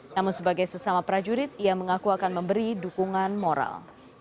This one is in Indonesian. namun sebagai sesama prajurit ia mengaku akan memberi dukungan moral